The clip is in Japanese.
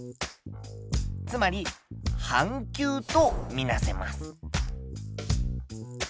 つまり半球とみなせます。